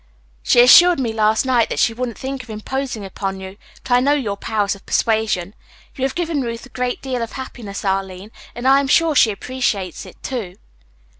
"She assured me last night that she wouldn't think of imposing upon you, but I know your powers of persuasion. You have given Ruth a great deal of happiness, Arline, and I am sure she appreciates it, too."